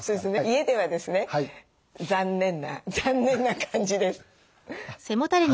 家ではですね残念な残念な感じです。